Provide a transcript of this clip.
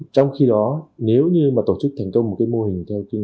trong khi đó nếu như tổ chức thành công một mô hình